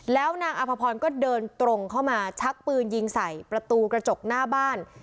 แล้วนางอภพรก็เดินตรงเข้ามาชักปืนยิงใส่ประตูกระจกหน้าบ้าน